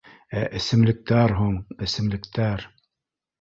Ә эсемлектәр һуң, эсемлектәр